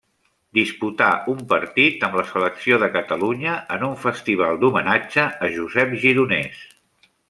Disputà un partit amb la selecció de Catalunya en un festival d'homenatge a Josep Gironès.